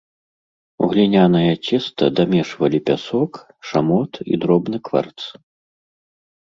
У глінянае цеста дамешвалі пясок, шамот і дробны кварц.